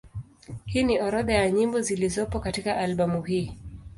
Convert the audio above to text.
Hii ni orodha ya nyimbo zilizopo katika albamu hii.